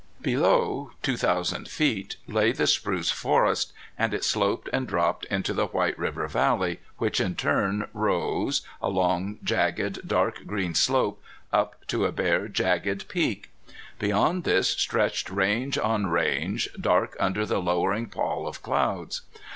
Below, two thousand feet, lay the spruce forest, and it sloped and dropped into the White River Valley, which in turn rose, a long ragged dark green slope, up to a bare jagged peak. Beyond this stretched range on range, dark under the lowering pall of clouds.